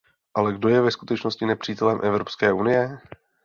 Ale kdo je ve skutečnosti nepřítelem Evropské unie?